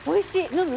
飲む？